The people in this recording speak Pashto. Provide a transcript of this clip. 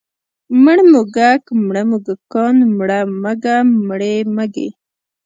مړ موږک، مړه موږکان، مړه مږه، مړې مږې.